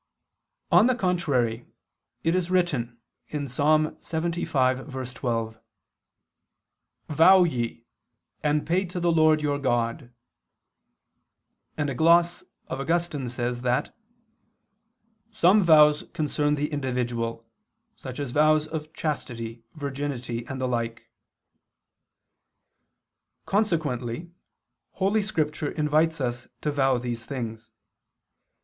On the contrary, It is written, (Ps. 75:12): "Vow ye, and pay to the Lord your God"; and a gloss of Augustine says that "some vows concern the individual, such as vows of chastity, virginity, and the like." Consequently Holy Scripture invites us to vow these things.